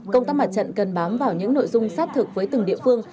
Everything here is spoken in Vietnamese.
công tác mặt trận cần bám vào những nội dung sát thực với từng địa phương